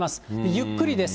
ゆっくりです。